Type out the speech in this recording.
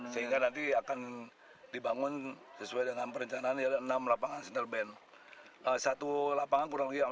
sehingga nanti akan dibangun sesuai dengan perencanaan